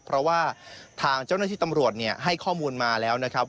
เพราะว่าทางเจ้าหน้าที่ตำรวจให้ข้อมูลมาแล้วนะครับ